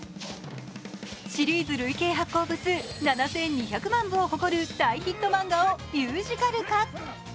シリーズ累計発行部数７２００万部を誇る大ヒット漫画をミュージカル化。